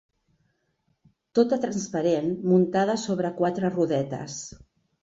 Tota transparent, muntada sobre quatre rodetes.